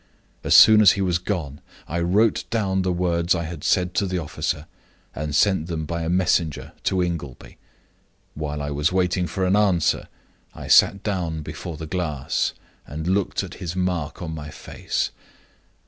As soon as he was gone I wrote down the words I had said to the officer and sent them by a messenger to Ingleby. While I was waiting for an answer, I sat down before the glass, and looked at his mark on my face.